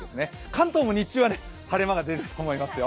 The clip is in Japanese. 関東も日中は晴れ間が出てくると思いますよ。